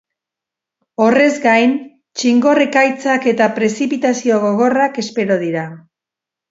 Horrez gain, txingor ekaitzak eta prezipitazio gogorrak espero dira.